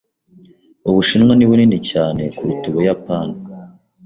Ubushinwa ni bunini cyane kuruta Ubuyapani.